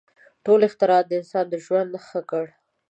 • ټول اختراعات د انسانانو ژوند ښه کړ.